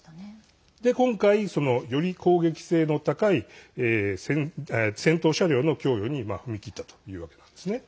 今回、より攻撃性の高い戦闘車両の供与に踏み切ったというわけなんですね。